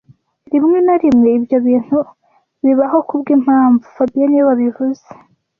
Rimwe na rimwe ibyo bintu bibaho kubwimpamvu fabien niwe wabivuze